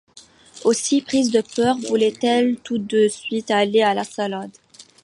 Aussi, prise de peur, voulait-elle tout de suite aller à la salade.